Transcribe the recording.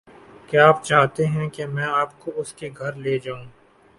کیا آپ چاہتے ہیں کہ میں آپ کو اس کے گھر لے جاؤں؟